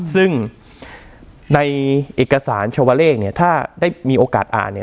ซึ่งในเอกสารชาวเลขเนี่ยถ้าได้มีโอกาสอ่านเนี่ย